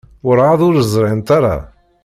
Werɛad ur ẓrint ara.